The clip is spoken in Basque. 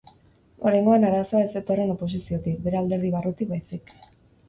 Oraingoan arazoa ez zetorren oposiziotik, bere alderdi barrutik baizik.